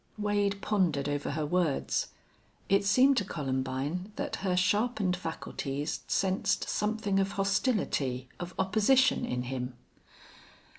Wade pondered over her words. It seemed to Columbine that her sharpened faculties sensed something of hostility, of opposition in him.